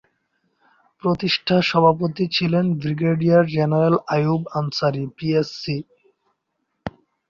প্রতিষ্ঠাতা সভাপতি ছিলেন brigadier general Ayub Ansari, PSC.